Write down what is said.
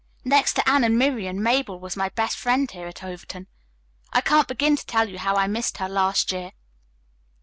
Next to Anne and Miriam, Mabel was my best friend here at Overton. I can't begin to tell you how I missed her last year.